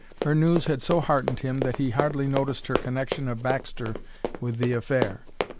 Her news had so heartened him that he hardly noticed her connection of Baxter with the affair.